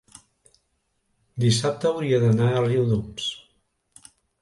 dissabte hauria d'anar a Riudoms.